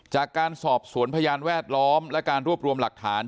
จากการสอบสวนพยานแวดล้อมและการรวบรวมหลักฐาน